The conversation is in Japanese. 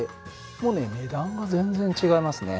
もうね値段が全然違いますね。